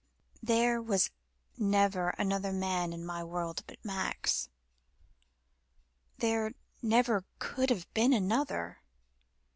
"There was never another man in my world but Max. There never could have been another.